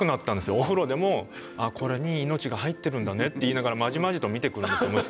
お風呂でも「これに命が入ってるんだね」って言いながらまじまじと見てくるんですよ息子。